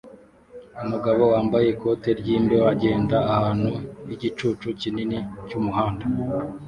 Umugabo wambaye ikote ryimbeho agenda ahantu h'igicucu kinini cyumuhanda